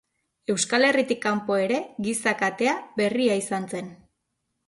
Euskal Herritik kanpo ere giza katea berria izan zen.